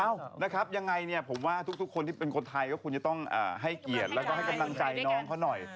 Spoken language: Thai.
นะครับยังไงเนี่ยผมว่าทุกคนที่เป็นคนไทยก็ควรจะต้องให้เกียรติแล้วก็ให้กำลังใจน้องเขาหน่อย